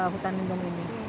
hutan lindung ini